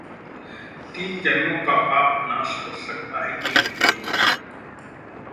तीन जन्मों के पाप का नाश कर सकता है एक बेलपत्र